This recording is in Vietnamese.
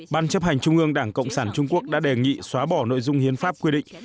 ban chấp hành trung ương đảng cộng sản trung quốc đã đề nghị xóa bỏ nội dung hiến pháp quy định